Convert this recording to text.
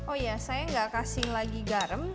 oh ya saya enggak kasih lagi garam